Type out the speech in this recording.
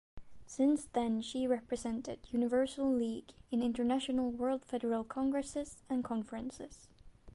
Since then she represented Universal League in international world federal congresses and conferences.